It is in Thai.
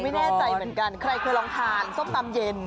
ไม่แน่ใจเหมือนกันใครเคยลองทานส้มตำเย็น